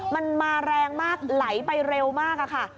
มันมาแรงมากไหลไปเร็วมากค่ะ